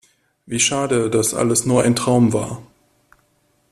Wie schade, dass alles nur ein Traum war!